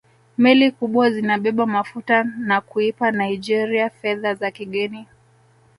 Meli kubwa zinabeba mafuta na kuipa Naigeria fedha za kigeni